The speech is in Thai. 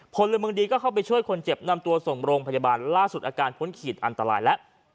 พลเมืองดีก็เข้าไปช่วยคนเจ็บนำตัวส่งโรงพยาบาลล่าสุดอาการพ้นขีดอันตรายแล้ว